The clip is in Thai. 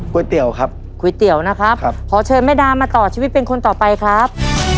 เตี๋ยวครับก๋วยเตี๋ยวนะครับขอเชิญแม่ดามาต่อชีวิตเป็นคนต่อไปครับ